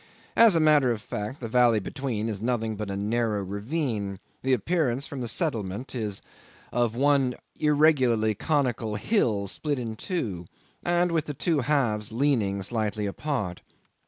As a matter of fact, the valley between is nothing but a narrow ravine; the appearance from the settlement is of one irregularly conical hill split in two, and with the two halves leaning slightly apart.